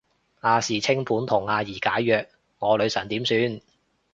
亞視清盤同阿儀解約，我女神點算